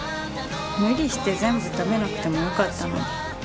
無理して全部食べなくてもよかったのに。